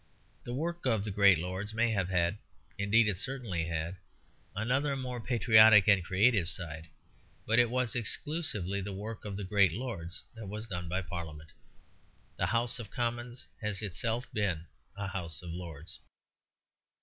The work of the great lords may have had, indeed it certainly had, another more patriotic and creative side; but it was exclusively the work of the great lords that was done by Parliament. The House of Commons has itself been a House of Lords.